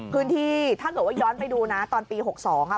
ถ้าเกิดว่าย้อนไปดูนะตอนปี๖๒อ่ะ